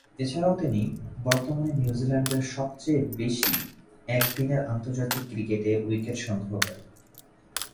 এছাড়াও তিনি বর্তমানে নিউজিল্যান্ডের সবচেয়ে বেশি একদিনের আন্তর্জাতিক ক্রিকেটে উইকেট সংগ্রহকারী।